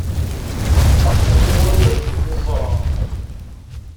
Uɣalen akk d iẓra.